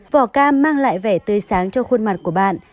vỏ cam mang lại vẻ tươi sáng cho khuôn mặt của bạn